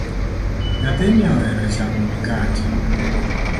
Nyathini ohero chamo mikate